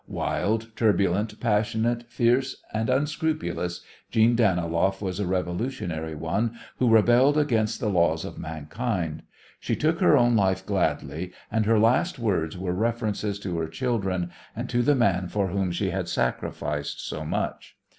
Wild, turbulent, passionate, fierce and unscrupulous, Jeanne Daniloff was a revolutionary, one who rebelled against the laws of mankind. She took her own life gladly, and her last words were references to her children and to the man for whom she had sacrificed so much.